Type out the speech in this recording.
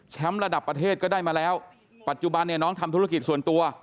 ระดับประเทศก็ได้มาแล้วปัจจุบันเนี่ยน้องทำธุรกิจส่วนตัว